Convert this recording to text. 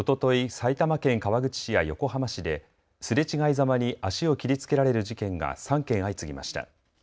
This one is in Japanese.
埼玉県川口市や横浜市ですれ違いざまに足を切りつけられる事件が３件相次ぎました。